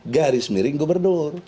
garis miring gubernur